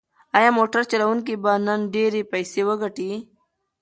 ایا موټر چلونکی به نن ډېرې پیسې وګټي؟